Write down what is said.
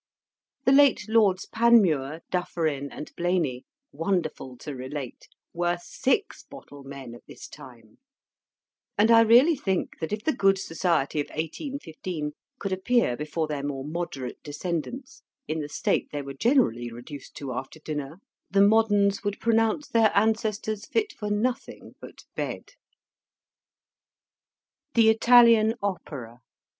The late Lords Panmure, Dufferin, and Blayney, wonderful to relate, were six bottle men at this time; and I really think that if the good society of 1815 could appear before their more moderate descendants in the state they were generally reduced to after dinner, the moderns would pronounce their ancestors fit for nothing but bed. THE ITALIAN OPERA.